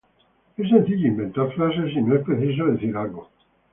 Es sencillo inventar frases si no es preciso decir algo.